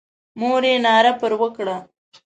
مور یې ناره پر وکړه.